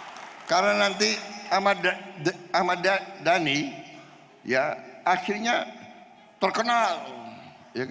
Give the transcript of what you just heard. hai karena nanti ahmad ahmad dhani ya akhirnya terkenal ya kan